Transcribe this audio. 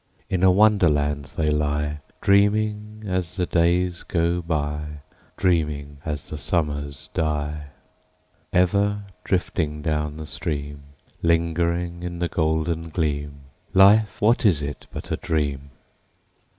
In a Wonderland they lie, Dreaming as the days go by, Dreaming as the summers die: Ever drifting down the stream— Lingering in the golden gleam— Life, what is it but a dream?